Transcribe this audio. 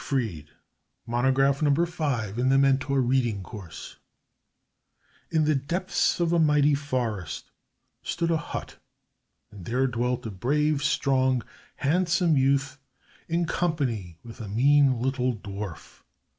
DIELITZ] The Ring of the Nibelung SIEGFRIED Monograph Number Five in The Mentor Reading Course In the depths of a mighty forest stood a hut, and there dwelt a brave, strong, handsome youth in company with a mean little dwarf.